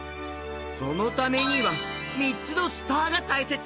そのためにはみっつのスターがたいせつ！